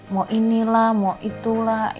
mau inilah mau itulah